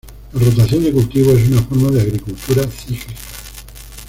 La rotación de cultivos es una forma de agricultura cíclica.